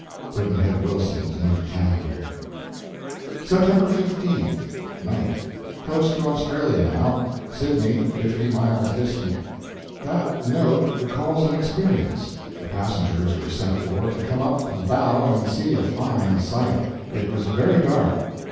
Pudd'nhead Wilson's New Calendar. Sept. 15 Night. Close to Australia now. Sydney 50 miles distant. That note recalls an experience. The passengers were sent for, to come up in the bow and see a fine sight. It was very dark.